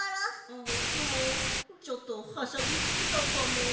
ぼくもちょっとはしゃぎすぎたかも。